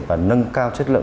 và nâng cao chất lượng